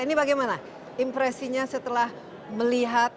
ini bagaimana impresinya setelah melihat